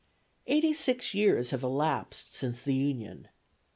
Eighty six years have elapsed since the Union.